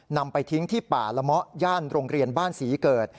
นำไปทิ้งที่ป่าละเมาะย่านโรงเรียนบ้านศรีเกิด